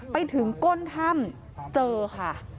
ไปถึงก้นถ้ำเจอค่ะ